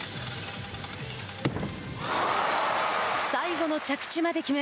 最後の着地まで決め